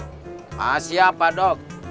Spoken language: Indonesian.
masih apa dok